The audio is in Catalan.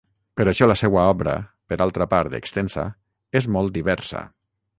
Per això la seua obra –per altra part extensa- és molt diversa.